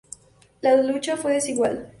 La lucha fue desigual.